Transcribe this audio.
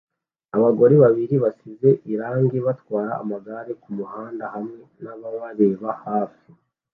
Abagore babiri basize irangi batwara amagare kumuhanda hamwe nababareba hafi